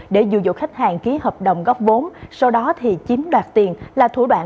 để dù dụ khách hàng ký hợp đồng góc vốn sau đó thì chiếm đoạt tiền là thủ đoạn